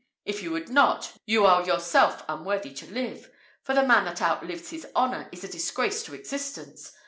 If you would not, you are yourself unworthy to live; for the man that outlives his honour, is a disgrace to existence.